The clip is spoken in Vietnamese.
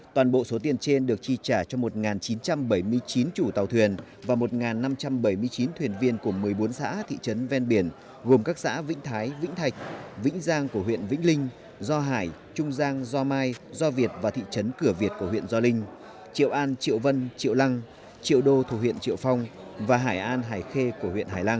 toàn bộ số tiền trên được chi trả cho một chín trăm bảy mươi chín chủ tàu thuyền và một năm trăm bảy mươi chín thuyền viên của một mươi bốn xã thị trấn ven biển gồm các xã vĩnh thái vĩnh thạch vĩnh giang của huyện vĩnh linh do hải trung giang do mai do việt và thị trấn cửa việt của huyện do linh triệu an triệu vân triệu lăng triệu đô thủ huyện triệu phong và hải an hải khê của huyện hải lăng